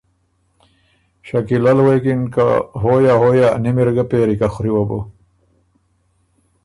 شکیلۀ ل غوېکِن که ”هویا هویا نِم اِر ګۀ پېری، که خوری وه بُو۔“